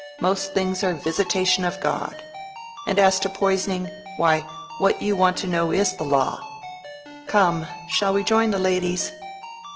Most things are 'visitation of God.' And as to poisoning, why, what you want to know is the law. Come, shall we join the ladies?"